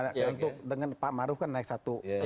nah ini karena pak maruf kan naik satu persen